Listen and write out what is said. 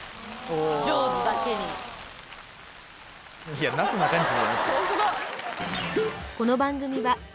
いやなすなかにし。